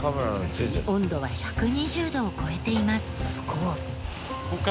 温度は１２０度を超えています。